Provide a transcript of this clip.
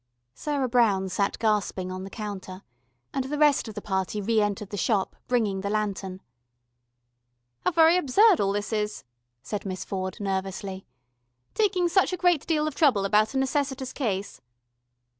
Sarah Brown sat gasping on the counter, and the rest of the party re entered the Shop, bringing the lantern. "How very absurd all this is," said Miss Ford nervously, "taking such a great deal of trouble about a necessitous case."